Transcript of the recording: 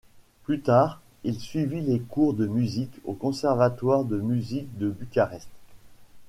Plus tard il suivit les cours de musique au conservatoire de musique de Bucarest.